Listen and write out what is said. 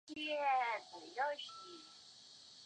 他成为美国史上第一个因公殉职的众议员。